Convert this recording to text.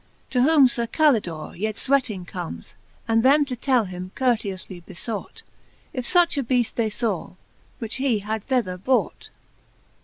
To whom Sir Calidore yet fweating comes, And them to tell him courteoufly befought, If fuch a beaft they faw, which he had thether brought.